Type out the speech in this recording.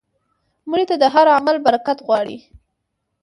مړه ته د هر عمل برکت غواړو